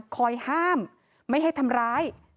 คอยห้ามไม่ให้ทำร้าย